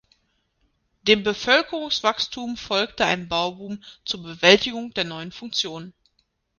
Dem Bevölkerungswachstum folgte ein Bauboom zur Bewältigung der neuen Funktionen.